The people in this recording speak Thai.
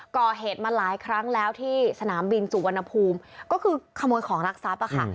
ก่อเหตุมาหลายครั้งแล้วที่สนามบินสุวรรณภูมิก็คือขโมยของรักทรัพย์อะค่ะ